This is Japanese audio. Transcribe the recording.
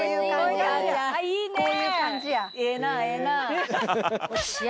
いいねぇ。